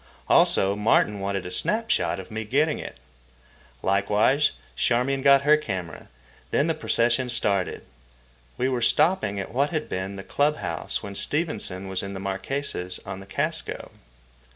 Also, Martin wanted a snap shot of me getting it. Likewise Charmian got her camera. Then the procession started. We were stopping at what had been the club house when Stevenson was in the Marquesas on the Casco.